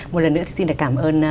một lần nữa xin cảm ơn